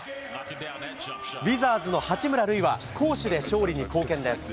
ウィザーズの八村塁は、攻守で勝利に貢献です。